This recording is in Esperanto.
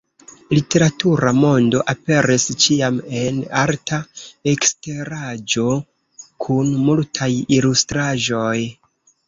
Literatura Mondo aperis ĉiam en arta eksteraĵo kun multaj ilustraĵoj.